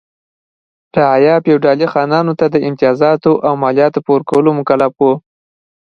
رعایا فیوډالي خانانو ته د امتیازاتو او مالیاتو په ورکولو مکلف و.